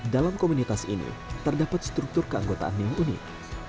dalam komunitas ini terdapat struktur keanggotaan yang unik